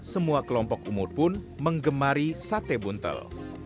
semua kelompok umur pun menggemari sate buntel